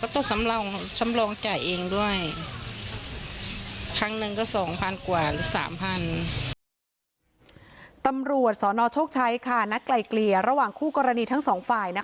ตำรวจสนโชคชัยนัดไกลเกลี่ยระหว่างคู่กรณีทั้งสองฝ่าย